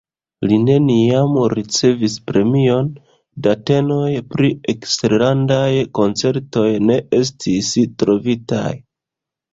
Li neniam ricevis premion, datenoj pri eksterlandaj koncertoj ne estis trovitaj.